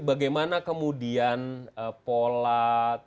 bagaimana kemudian pola